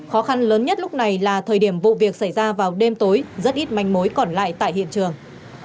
khó khăn lớn nhất lúc này là thời điểm vụ việc xảy ra vào đêm tối rất ít manh mối còn lại tại hiện trường